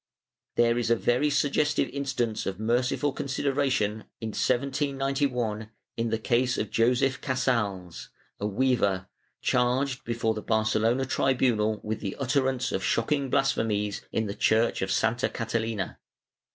There is a very suggestive instance of merciful consideration, in 1791, in the case of Josef Casals, a weaver, charged before the Barcelona tribunal with the utterance of shocking blasphemies in the church of Santa Catalina.